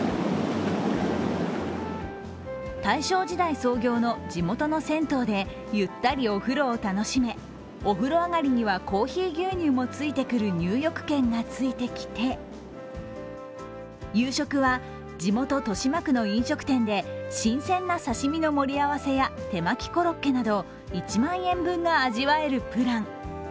大正時代創業の地元の銭湯でゆったりお風呂を楽しめ、お風呂上がりにはコーヒー牛乳もついてくる入浴券がついてきて、夕食は地元・豊島区の飲食店で新鮮な刺身の盛り合わせや手巻きコロッケなど１万円分が味わえるプラン。